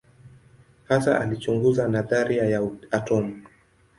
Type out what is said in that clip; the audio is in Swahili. Hasa alichunguza nadharia ya atomu.